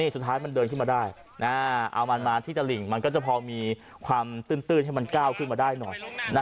สุดท้ายมันเดินขึ้นมาได้เอามันมาที่ตะหลิ่งมันก็จะพอมีความตื้นให้มันก้าวขึ้นมาได้หน่อย